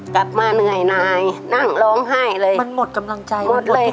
กลับมาเหนื่อยนายนั่งร้องไห้อะไรมันหมดกำลังใจหมดเลยค่ะ